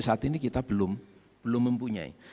saat ini kita belum mempunyai